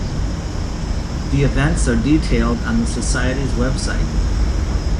The events are detailed on the society's web site.